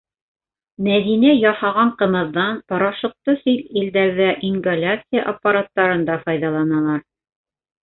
«Мәҙинә» яһаған ҡымыҙҙан порошокты сит илдәрҙә ингаляция аппараттарында файҙаланалар.